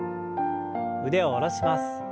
腕を下ろします。